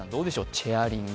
チェアリング。